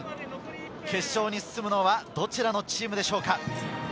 決勝に進むのはどちらのチームでしょうか。